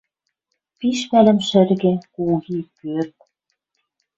Пиш пӓлӹм шӹргӹ, куги, пӧрт...